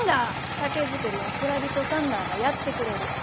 酒造りは蔵人さんらあがやってくれる。